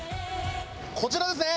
こちらですね。